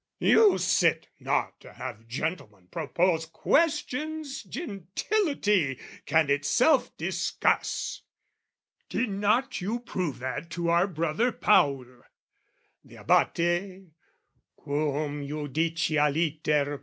You sit not to have gentlemen propose Questions gentility can itself discuss. Did not you prove that to our brother Paul? The Abate, quum judicialiter.